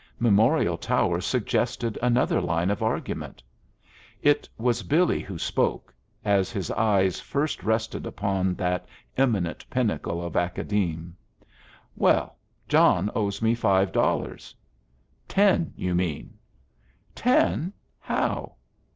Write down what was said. Memorial tower suggested another line of argument. It was Billy who spoke, as his eyes first rested upon that eminent pinnacle of Academe. "Well, John owes me five dollars." "Ten, you mean." "Ten? How?"